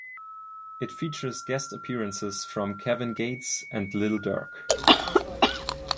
It features guest appearances from Kevin Gates and Lil Durk.